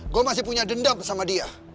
gue masih punya dendam sama dia